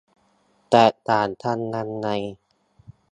แตกต่างกันยังไง